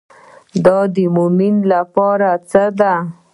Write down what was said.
دعا د مومن لپاره څه ده؟